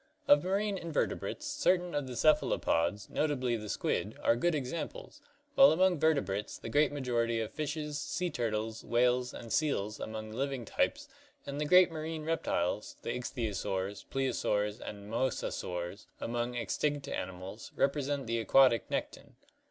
Of marine invertebrates, certain of the cephalopods, notably the squid, are good examples, while among vertebrates the great majority of fishes, sea turtles, whales, and seals among living types and the great marine reptiles, the ichthyosaurs, plesiosaurs, and mosasaurs among extinct animals, represent the aquatic nekton.